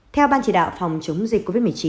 theo ban chỉ đạo phòng chống dịch covid một mươi chín